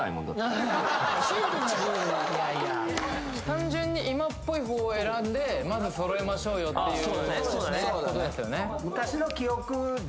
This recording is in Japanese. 単純に今っぽいほうを選んでまず揃えましょうよっていうことですよね